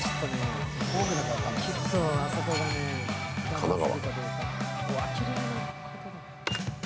神奈川。